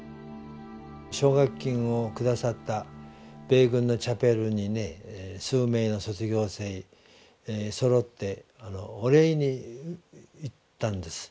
奨学金を下さった米軍のチャペルにね数名の卒業生そろってお礼に行ったんです。